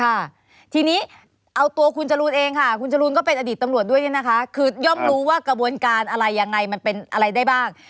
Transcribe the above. ค่ะทีนี้เอาตัวคุณจรูนเองค่ะคุณจรูนก็เป็นอดีตตำรวจด้วยเนี่ยนะคะคือย่อมรู้ว่ากระบวนการอะไรยังไงมันเป็นอะไรได้บ้าง